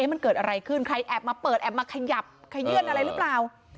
มันเกิดอะไรขึ้นใครแอบมาเปิดแอบมาขยับขยื่นอะไรหรือเปล่า